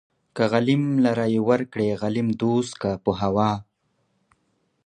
که غليم لره يې ورکړې غليم دوست کا په هوا